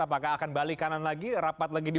apakah akan balik kanan lagi rapat lagi di